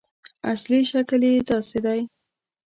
اصلي شکل یې داسې دی.